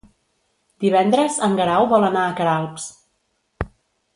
Divendres en Guerau vol anar a Queralbs.